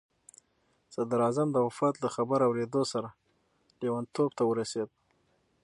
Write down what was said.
صدراعظم د وفات له خبر اورېدو سره لیونتوب ته ورسېد.